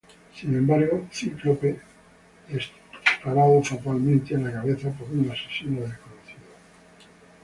Sin embargo, Cíclope es disparado fatalmente en la cabeza por un asesino desconocido.